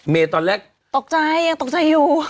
ตอนแรกตกใจยังตกใจอยู่